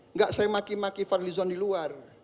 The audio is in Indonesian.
enggak saya maki maki fadlizon di luar